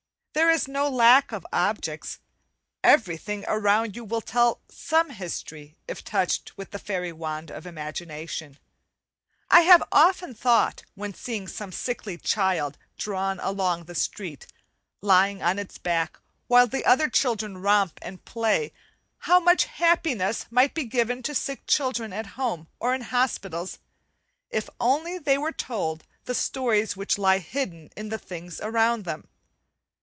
There is no lack of objects, everything around you will tell some history if touched with the fairy wand of imagination. I have often thought, when seeing some sickly child drawn along the street, lying on its back while other children romp and play, how much happiness might be given to sick children at home or in hospitals, if only they were told the stories which lie hidden in the things around them.